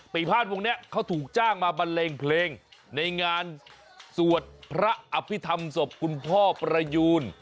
พาทวงนี้เขาถูกจ้างมาบันเลงเพลงในงานสวดพระอภิษฐรรมศพคุณพ่อประยูน